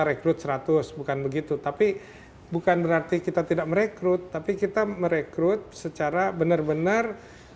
rekrut seratus bukan begitu tapi bukan berarti kita tidak merekrut tapi kita merekrut secara benar benar